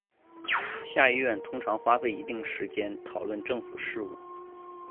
下议院通常花费一定时间讨论政府事务。